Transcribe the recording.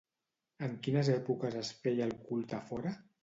En quines èpoques es feia el culte fora?